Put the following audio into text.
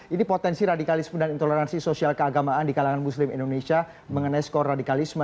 ini potensi radikalisme dan intoleransi sosial keagamaan di kalangan muslim indonesia mengenai skor radikalisme